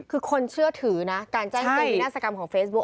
คือคนเชื่อถือนะการแจ้งเตือนวินาศกรรมของเฟซบุ๊